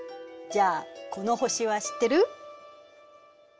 じゃあこの星は知ってる？